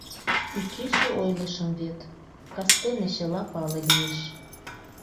Икече ойлышым вет, кастене чыла пале лиеш.